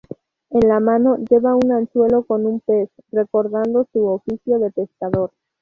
En la mano, lleva un anzuelo con un pez, recordando su oficio de pescador.